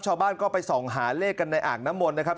ชาวบ้านก็ไปส่องหาเลขกันในอ่างน้ำมนต์นะครับ